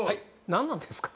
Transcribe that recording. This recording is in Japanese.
何なんですか？